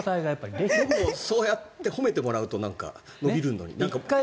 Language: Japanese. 僕もそうやって褒めてもらうと伸びるのに。